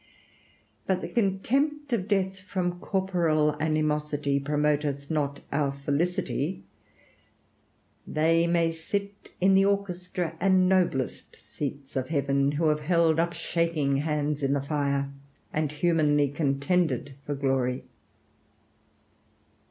But the contempt of death from corporal animosity promoteth not our felicity. They may sit in the orchestra and noblest seats of heaven who have held up shaking hands in the fire, and humanly contended for glory.